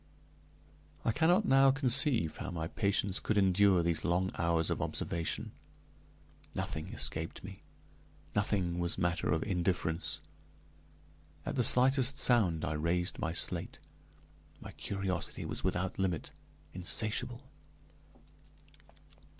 I cannot now conceive how my patience could endure those long hours of observation: nothing escaped me; nothing was matter of indifference. At the slightest sound I raised my slate; my curiosity was without limit, insatiable.